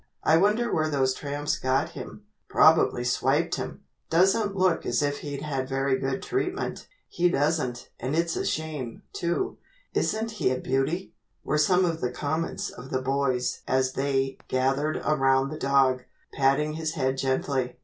"I wonder where those tramps got him." "Probably swiped him." "Doesn't look as if he'd had very good treatment." "He doesn't and it's a shame, too. Isn't he a beauty?" were some of the comments of the boys as they gathered around the dog, patting his head gently.